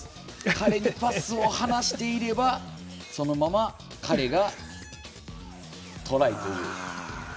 彼にパスを放していればそのまま彼がトライという。